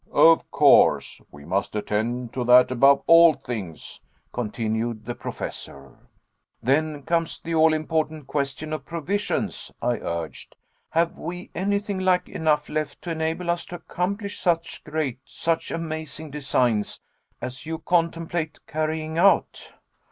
"Of course. We must attend to that above all things," continued the Professor. "Then comes the all important question of provisions," I urged. "Have we anything like enough left to enable us to accomplish such great, such amazing, designs as you contemplate carrying out?"